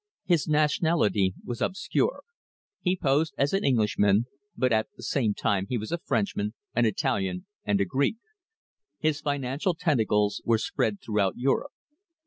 His nationality was obscure. He posed as an Englishman, but at the same time he was a Frenchman, an Italian, and a Greek. His financial tentacles were spread throughout Europe.